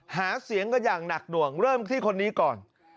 หาเสียงกันอย่างหนักหน่วงเริ่มที่คนนี้ก่อน